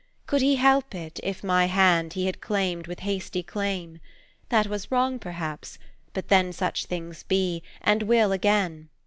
Could he help it, if my hand He had claimed with hasty claim? That was wrong perhaps but then Such things be and will, again.